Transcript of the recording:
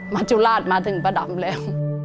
มาจุฬาศมาถึงป้าดำแล้ว